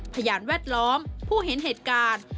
พยานแวดล้อมผู้เห็นเหตุการณ์